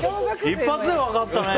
一発で分かったね！